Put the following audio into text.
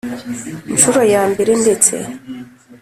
Ncuro ya mbere ndetse